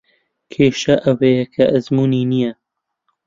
کێشە ئەوەیە کە ئەزموونی نییە.